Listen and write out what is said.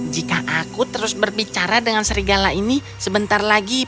jika aku terus berdiri